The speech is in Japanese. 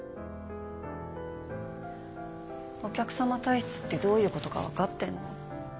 お客さま体質ってどういうことか分かってんの？